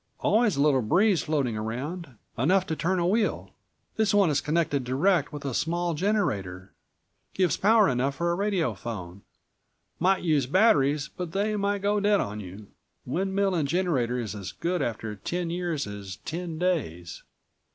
Always a little breeze floating round. Enough to turn a wheel. This one is connected direct with a small generator. Gives power enough for a radiophone. Might use batteries but they might go dead on you. Windmill and generator is224 as good after ten years as ten days.